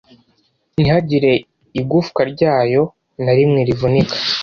ntihagire igufwa ryayo na rimwe rivunika